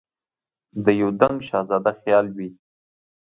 د یو دنګ شهزاده خیال وي